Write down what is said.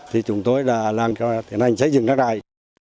thì chúng tôi là tiến hành xây dựng trang trại